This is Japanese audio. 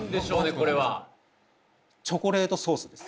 これはチョコレートソースです